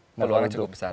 peluangnya cukup besar